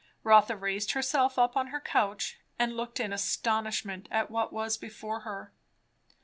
Rotha raised herself on her couch and looked in astonishment at what was before her.